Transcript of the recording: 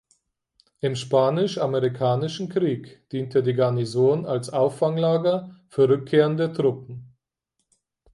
Im Spanisch-Amerikanischen Krieg diente die Garnison als Auffanglager für rückkehrende Truppen.